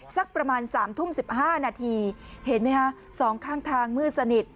สักประมาณ๓ทุ่ม๑๕นาทีเห็นไหมคะสองข้างทางมืดสนิท